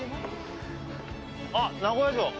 あっ、名古屋城。